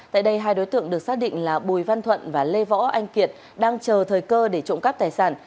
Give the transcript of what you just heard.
tại đây hai đối tượng được xác định là bùi văn thuận và lê võ anh kiệt đang chờ thời cơ để trộm cắp tài sản